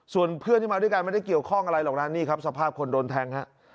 ส่วนเพื่อนที่มาด้วยกันไม่ได้เกี่ยวข้องอะไรหรอกนะนี่ครับสภาพคนโดนแทงฮะ